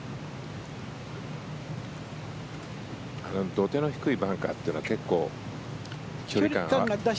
土手の低いバンカーっていうのは結構、距離感。